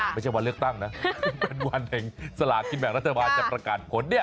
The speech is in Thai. ไม่ใช่วันเลือกตั้งนะเป็นวันแห่งสลากินแบ่งรัฐบาลจะประกาศผลเนี่ย